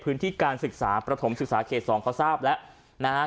พื้นที่การศึกษาประถมศึกษาเขต๒เขาทราบแล้วนะฮะ